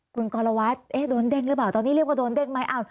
คุณกรวัตรโดนเด้งหรือเปล่าตอนนี้เรียกว่าโดนเด้งไหม